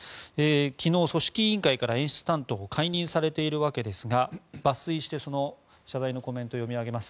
昨日、組織委員会から演出担当を解任されているわけですが抜粋して、その謝罪のコメントを読み上げます。